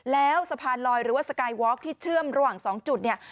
แล้วสะพานลอยหรือว่าสกายวอล์กที่เชื่อมระหว่าง๒จุดเนี่ย